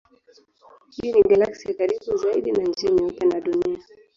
Hii ni galaksi ya karibu zaidi na Njia Nyeupe na Dunia.